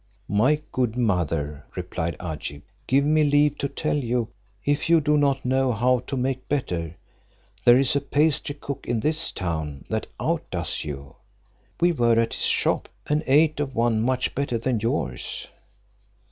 "My good mother," replied Agib, "give me leave to tell you, if you do not know how to make better, there is a pastry cook in this town that outdoes you. We were at his shop, and ate of one much better than yours."